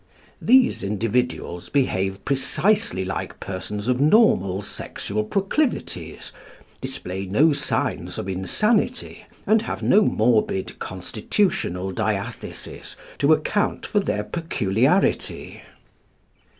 These individuals behave precisely like persons of normal sexual proclivities, display no signs of insanity, and have no morbid constitutional diathesis to account for their peculiarity.